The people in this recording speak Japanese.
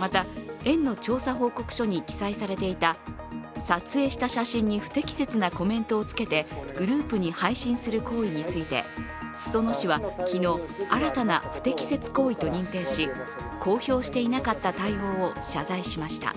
また園の調査報告書に記載されていた撮影した写真に不適切なコメントをつけてグループに配信する行為について裾野市は昨日、新たな不適切行為と認定し、公表していなかった対応を謝罪しました。